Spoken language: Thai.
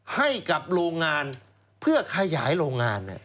ให้กับโรงงานเพื่อขยายโรงงาน